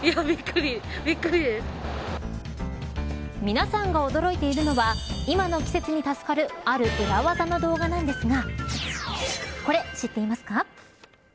皆さんが驚いているのは今の季節に助かるある裏技の動画なんですがこれ、知っていますか。